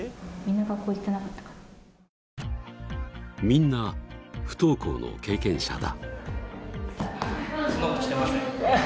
みんな不登校の経験者だ。